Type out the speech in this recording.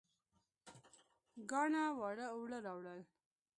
کاڼه واړه اوړه راوړل